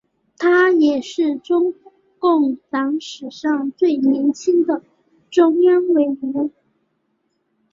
他也是中共党史上最年轻的中央委员。